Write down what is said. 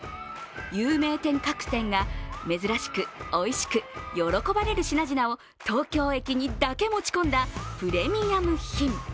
有名店各店が珍しくおいしく喜ばれる品々を東京駅にだけ持ち込んだプレミアム品。